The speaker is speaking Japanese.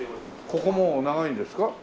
ここもう長いんですか？